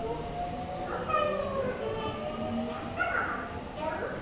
このタイミングでたったままねちゃう？